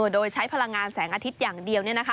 โดยใช้พลังงานแสงอาทิตย์อย่างเดียว